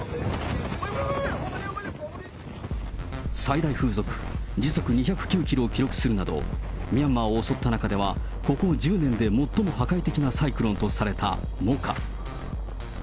最大風速時速２０９キロを記録するなど、ミャンマーを襲った中では、ここ１０年で最も破壊的なサイクロンとされたモカ。